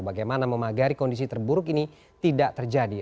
bagaimana memagari kondisi terburuk ini tidak terjadi